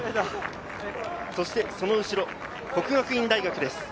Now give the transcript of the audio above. その後ろ、國學院大學です。